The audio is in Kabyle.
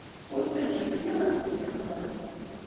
Ur ttaǧǧamt yiwen ad kent-yexdeɛ.